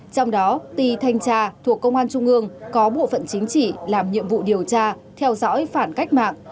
trong đó tì thanh tra thuộc công an trung ương có bộ phận chính trị làm nhiệm vụ điều tra theo dõi phản cách mạng